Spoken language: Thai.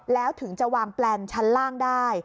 แล้วถึงจะวางแปลนชั้นล่างได้